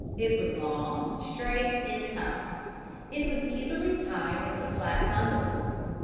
It was long, straight and tough. It was easily tied into flat bundles.